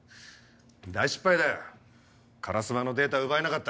大失敗だ烏丸のデータは奪えなかった。